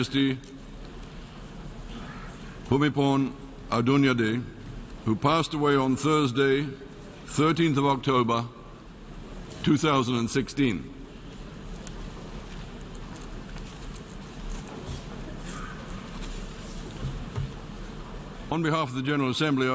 สำหรับนักจับรับคำรวมเช้าข้อรับไปล่ะครับผมข้อสิทธิ์ที่จะต้องขอบกันให้ครับ